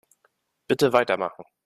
Bitte weitermachen.